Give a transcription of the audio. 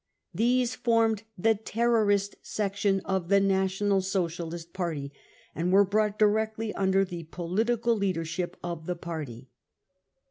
These formed the terrorist section of the National Socialist Party and were » brought directly under the political leadership of the party.